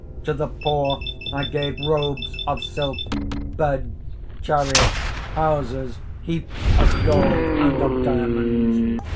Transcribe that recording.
To the poor I gave robes of silk, beds, chariots, houses, heaps of gold and of diamonds.